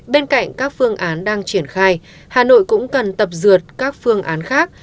bên cạnh các phương án đang triển khai hà nội cũng cần tập dượt các phương án khác